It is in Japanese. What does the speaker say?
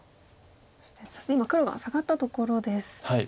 そして今黒がサガったところです。